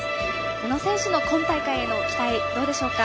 宇野選手の今大会への期待どうでしょうか。